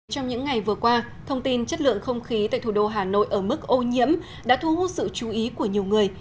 trong những ngày vừa qua thông tin chất lượng không khí tại thủ đô hà nội ở mức ô nhiễm đã thu hút sự chú ý của nhiều người